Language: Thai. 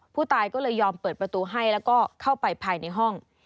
ผู้ตายก็เลยยอมเปิดประตูให้แล้วก็เข้าไปภายในห้อง